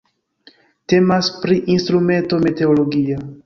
Temas pri instrumento meteologia.